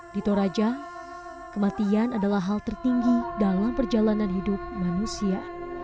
di toraja kematian adalah hal tertinggi dalam perjalanan hidup manusia